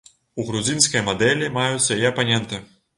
У грузінскай мадэлі маюцца і апаненты.